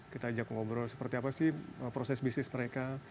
kita ajak ngobrol seperti apa sih proses bisnis mereka